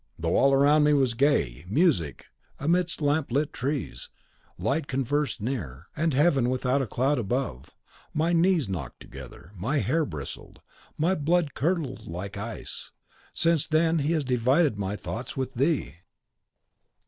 Though all around me was gay, music, amidst lamp lit trees, light converse near, and heaven without a cloud above, my knees knocked together, my hair bristled, and my blood curdled like ice. Since then he has divided my thoughts with thee."